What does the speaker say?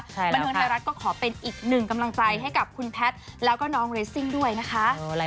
บันเทิงไทยรัฐก็ขอเป็นอีกหนึ่งกำลังใจให้กับคุณแพทย์แล้วก็น้องเรสซิ่งด้วยนะคะ